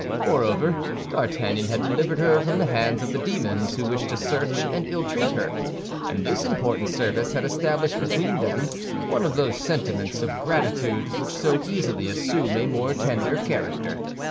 Moreover, D'Artagnan had delivered her from the hands of the demons who wished to search and ill treat her; and this important service had established between them one of those sentiments of gratitude which so easily assume a more tender character.